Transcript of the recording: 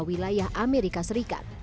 wilayah amerika serikat